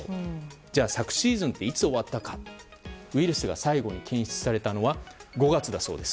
じゃあ、昨シーズンはいつ終わったかというとウイルスが最後に検出されたのは５月だそうです。